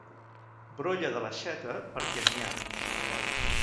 Brolla de l'aixeta perquè n'hi ha.